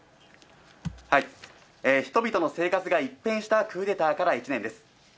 人々の生活が一変したクーデターから１年です。